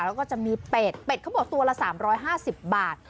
แล้วก็จะมีเป็ดเป็ดเขาบอกตัวละ๓๕๐บาท